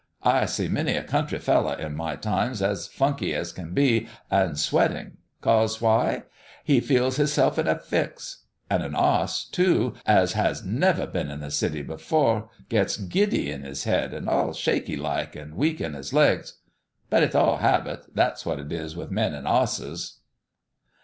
I see many a country fellow in my time as funky as can be, and sweating, cause why? he feeled hisself in a fix. And an oss, too, as has never been in the city afore, gets giddy in his head, and all shaky like, and weak on his legs. But it's all habit, that's what it is with men and osses."